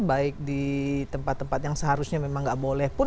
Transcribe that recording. baik di tempat tempat yang seharusnya memang nggak boleh pun